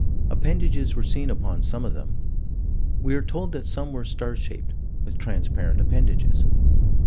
Appendages were seen upon some of them. We are told that some were star shaped, with transparent appendages.